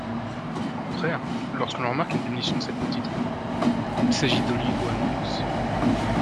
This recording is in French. Au contraire, lorsque l'on remarque une diminution de cette quantité, il s'agit d'oligoamnios.